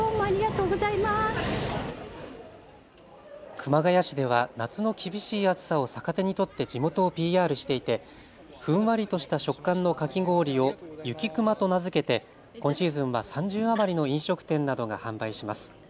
熊谷市では夏の厳しい暑さを逆手にとって地元をＰＲしていてふんわりとした食感のかき氷を雪くまと名付けて今シーズンは３０余りの飲食店などが販売します。